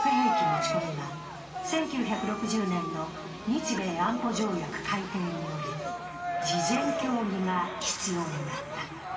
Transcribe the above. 持ち込みは１９６０年の日米安保条約改定により事前協議が必要になった。